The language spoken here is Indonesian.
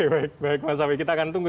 baik baik mas awi kita akan tunggu